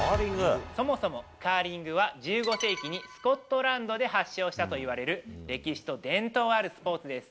そもそもカーリングは、１５世紀にスコットランドで発祥したといわれる、歴史と伝統あるスポーツです。